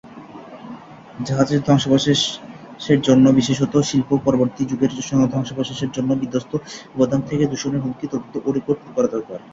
জাহাজের ধ্বংসাবশেষের জন্য, বিশেষত শিল্প-পরবর্তী যুগের ধ্বংসাবশেষের জন্য, বিধ্বস্ত উপাদান থেকে দূষণের হুমকি তদন্ত ও রেকর্ড করা দরকার।